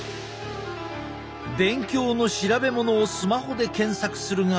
勉強の調べ物をスマホで検索するが。